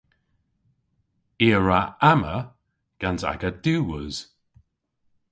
I a wra amma gans aga diwweus.